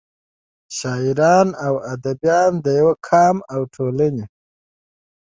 شاعران او اديبان دَيو قام او ټولنې